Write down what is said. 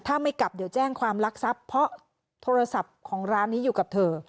ถ้าไม่กลับเดี๋ยวแจ้งความลักทรัพย์เพราะโทรศัพท์ของร้านนี้อยู่กับเธอ